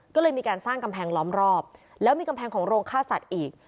ก็เลยมีการสร้างกำแพงล้อมรอบแล้วมีกำแพงของโรงฆ่าสัตว์อีก